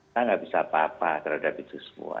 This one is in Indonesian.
kita nggak bisa apa apa terhadap itu semua